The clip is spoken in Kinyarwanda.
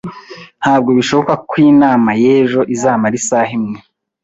Ntabwo bishoboka ko inama y'ejo izamara isaha imwe